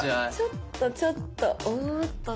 ちょっとちょっとおっと。